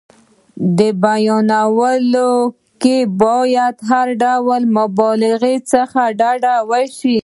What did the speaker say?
په بیانولو کې باید له هر ډول مبالغې څخه ډډه وشي.